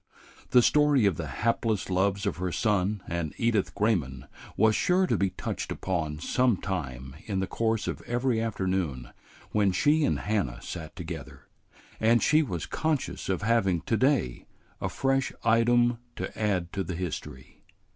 The story of the hapless loves of her son and Edith Grayman was sure to be touched upon some time in the course of every afternoon when she and Hannah sat together, and she was conscious of having to day a fresh item to add to the history.